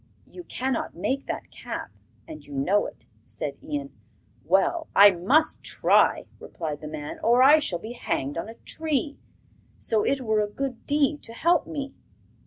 'You cannot make that cap, and you know it,' said Ian. 'Well, I must try,' replied the man, 'or I shall be hanged on a tree; so it were a good deed to help me.